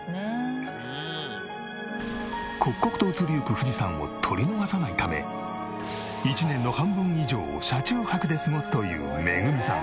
刻々と移りゆく富士山を撮り逃さないため１年の半分以上を車中泊で過ごすというめぐみさん。